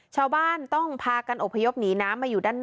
ชาวบ้านต้องพากันอบพยพหนีน้ำมาอยู่ด้านบน